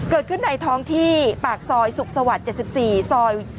เกิดขึ้นในท้องที่ปากซอยสุขสวรรค์เจ็ดสิบสี่ซอย